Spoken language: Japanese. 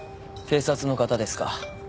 警察の方ですか。